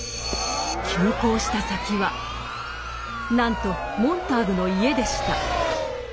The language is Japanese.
急行した先はなんとモンターグの家でした。